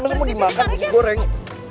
mau dimakan mau digoreng